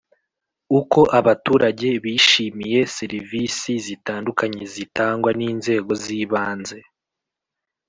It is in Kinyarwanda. Uko abaturage bishimiye serivisi zitandukanye zitangwa n inzego z ibanze